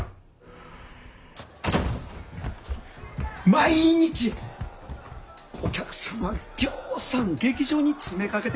毎日お客様ぎょうさん劇場に詰めかけてくれてはります。